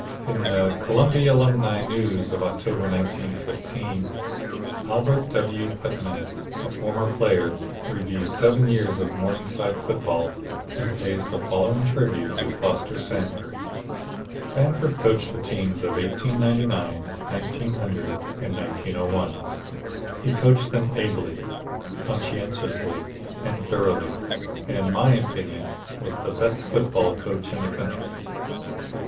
In the Columbia Alumni News of October, 1915, Albert W. Putnam, a former player, reviews seven years of Morningside football, and pays the following tribute to Foster Sanford: "Sanford coached the teams of 1899, 1900 and 1901. He coached them ably, conscientiously and thoroughly, and in my opinion was the best football coach in the country."